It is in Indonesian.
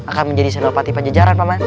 akan menjadi senopati panjajaran paman